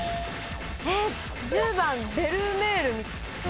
１０番ベルメール。